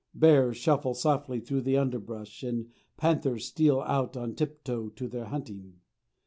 Bears shuffle softly through the underbrush, and panthers steal out on tiptoe to their hunting.